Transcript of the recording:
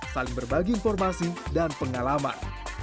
saling berbagi informasi dan pengalaman